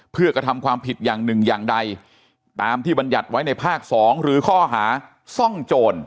เพื่อกระทำความผิดอย่างหนึ่งอย่างใดตามที่บรรยัติไว้ในภาค๒หรือข้อหาซ่องโจร